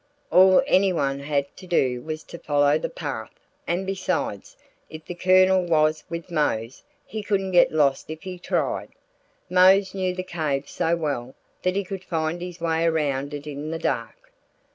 All anyone had to do was to follow the path; and besides, if the Colonel was with Mose he couldn't get lost if he tried. Mose knew the cave so well that he could find his way around it in the dark.